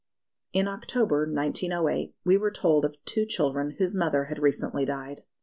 In October, 1908, we were told of two children whose mother had recently died.